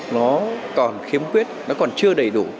nó còn khiếm quyết nó còn chưa đầy đủ